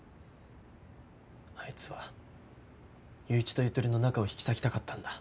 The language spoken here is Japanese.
あいつは友一とゆとりの仲を引き裂きたかったんだ。